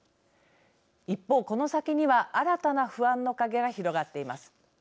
一方この先には新たな不安の影が広がっています。